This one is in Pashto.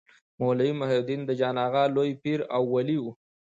مولوي محي الدین جان اغا لوی پير او ولي و.